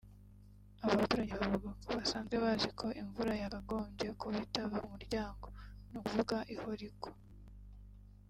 Aba baturage bavuga ko basanzwe bazi ko imvura yakagombye kuba itava k’umuryango (ni ukuvuga ihora igwa)